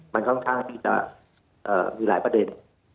มันก็มีหลายประเด็น